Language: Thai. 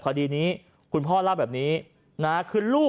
ก็ได้พลังเท่าไหร่ครับ